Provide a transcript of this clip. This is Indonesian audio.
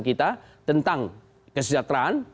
kita tentang kesejahteraan